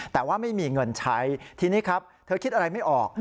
แต่ว่าไม่มีเงินใช้ทีนี้ครับเธอคิดอะไรไม่ออก